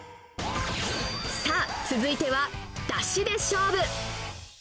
さあ、続いてはだしで勝負。